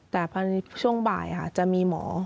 แต่พอในช่วงบ่ายค่ะจะมีหมอ